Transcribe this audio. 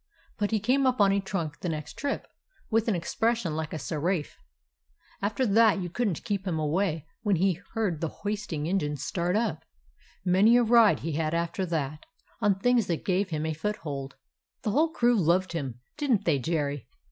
But he came up on a trunk the next trip, with an expression like a seraph. After that you could n't keep him away when he heard the hoisting engine start up. Many a ride he had after that, on things that gave him a foothold. "The whole crew loved him; didn't they, Jerry?